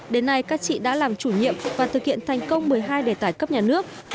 đến nay các chị đã làm chủ nhiệm và thực hiện thành công một mươi hai đề tài cấp nhà nước